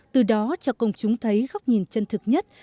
từ đó cho công chúng thấy góc nhìn chân thực nhất